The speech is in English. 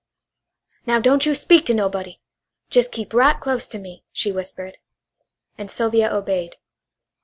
"Now, don' you speak to nobuddy. Jes' keep right close to me," she whispered. And Sylvia obeyed.